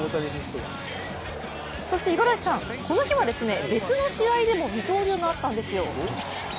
そして、五十嵐さん、この日は別の試合でも二刀流があったんですよ。